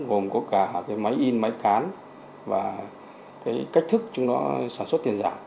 gồm có cả máy in máy cán và cách thức chúng nó sản xuất tiền giả